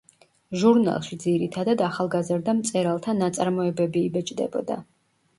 ჟურნალში ძირითადად ახალგაზრდა მწერალთა ნაწარმოებები იბეჭდებოდა.